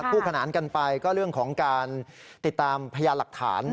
ขนานกันไปก็เรื่องของการติดตามพยานหลักฐาน